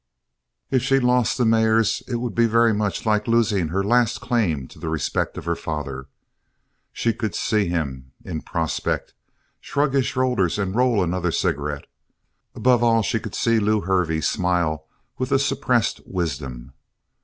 If she lost the mares it would be very much like losing her last claim to the respect of her father. She could see him, in prospect, shrug his shoulders and roll another cigarette; above all she could see Lew Hervey smile with a suppressed wisdom.